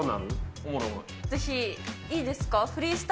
ぜひ、いいですか？